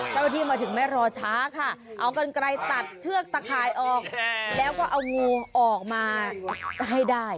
เจ้าหน้าที่มาถึงไม่รอช้าค่ะเอากันไกลตัดเชือกตะข่ายออกแล้วก็เอางูออกมาให้ได้